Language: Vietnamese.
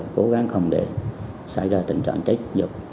cố gắng không để xảy ra tình trạng chết nhụt